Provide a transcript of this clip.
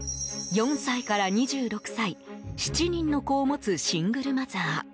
４歳から２６歳７人の子を持つシングルマザー。